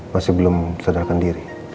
masih belum sadarkan diri